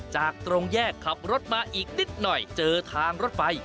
จากตรงแยกขับรถมาอีกนิดหน่อยเจอทางรถไฟ